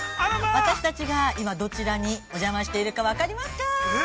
私たちが今、どちらにお邪魔しているか分かりますか。